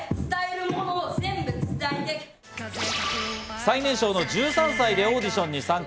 最年少の１３歳でオーディションに参加。